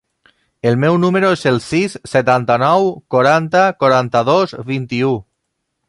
El meu número es el sis, setanta-nou, quaranta, quaranta-dos, vint-i-u.